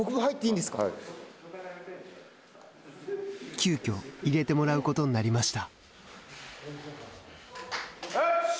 急きょ入れてもらうことになりました。